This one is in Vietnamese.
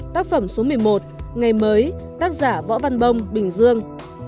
tác phẩm số một mươi một ngày mới tác giả võ văn bông bình dương